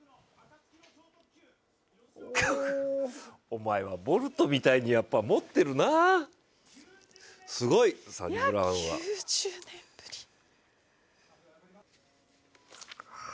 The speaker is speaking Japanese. お前はボルトみたいにやっぱ持ってるな、すごい、サニブラウンは。